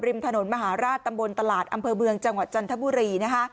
ริมถนนมหาราชตำบลตลาดอำเภอเมืองจังหวัดจันทบุรีนะคะ